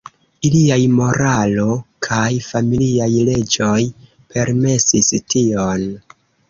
Iliaj moralo kaj familiaj leĝoj permesis tion.